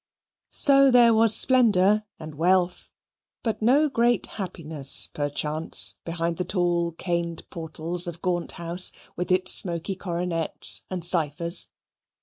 So there was splendour and wealth, but no great happiness perchance, behind the tall caned portals of Gaunt House with its smoky coronets and ciphers.